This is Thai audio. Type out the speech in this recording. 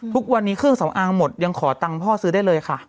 ทุกวันนี้เครื่องสำอางหมดยังขอตังค์พ่อซื้อได้เลยค่ะ